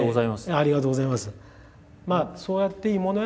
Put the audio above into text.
ありがとうございます。